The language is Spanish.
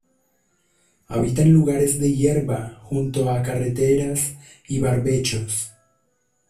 Habita en lugares de hierba, junto a carreteras y barbechos.